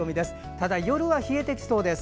ただ、夜は冷えてきそうです。